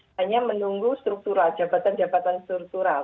hanya menunggu struktural jabatan jabatan struktural